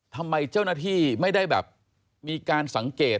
ทำไมเจ้าหน้าที่ไม่ได้แบบมีการสังเกต